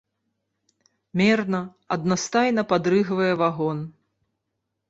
Мерна, аднастайна падрыгвае вагон.